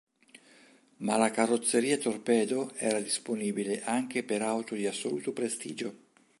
Ma la carrozzeria torpedo era disponibile anche per auto di assoluto prestigio.